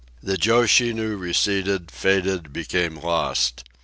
The Joe she knew receded, faded, became lost.